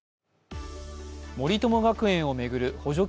森友事件を巡る補助金